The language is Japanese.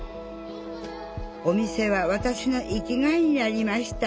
お店はわたしの生きがいになりました